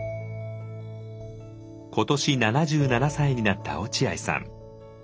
今年７７歳になった落合さん。